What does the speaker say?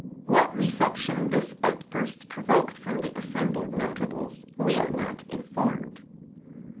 " What reception this outburst provoked from the assembled notables we are not informed.